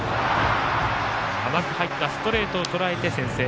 甘く入ったストレートをとらえて先制。